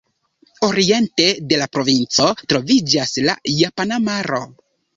Oriente de la provinco troviĝas la Japana Maro.